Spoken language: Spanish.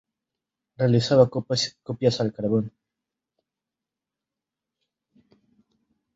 Realizaba copias al carbón.